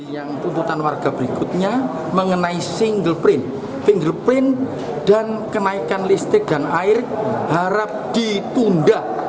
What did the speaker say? yang tuntutan warga berikutnya mengenai single print fingerprint dan kenaikan listrik dan air harap ditunda